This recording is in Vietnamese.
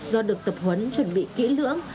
do được tập huấn chuẩn bị kỹ lưỡng